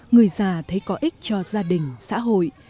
người già thấy có ích cho gia đình xã hội